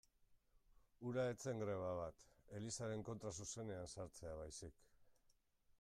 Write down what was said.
Hura ez zen greba bat, Elizaren kontra zuzenean sartzea baizik.